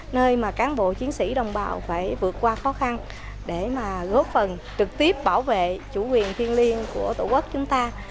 nơi mà cán bộ chiến sĩ đồng bào phải vượt qua khó khăn để mà góp phần trực tiếp bảo vệ chủ quyền thiên liêng của tổ quốc chúng ta